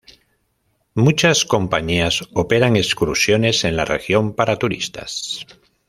Muchas compañías operan excursiones en la región para turistas.